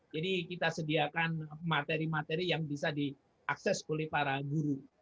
jadi kita sediakan materi materi yang bisa diakses oleh para guru